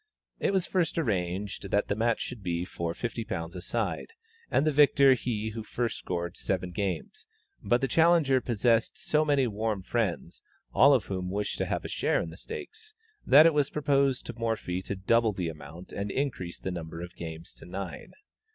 It was at first arranged that the match should be for £50 a side, and the victor he who first scored seven games, but the challenger possessed so many warm friends, all of whom wished to have a share in the stakes, that it was proposed to Morphy to double the amount and increase the number of games to nine.